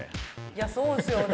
いやそうですよね！